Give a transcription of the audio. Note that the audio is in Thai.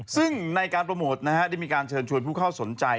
ซึ่งในการโปรโมทได้มีการเชิญชวนผู้เข้าสนใจ